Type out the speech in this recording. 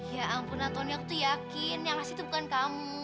ya ampun atonio tuh yakin yang ngasih itu bukan kamu